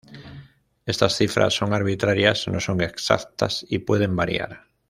Estas cifras son arbitrarias; no son exactas y pueden variar.